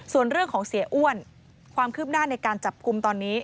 ส่วนเรื่องของเสียอ้วนความคืบหน้าในการจับกลุ่มตอนนี้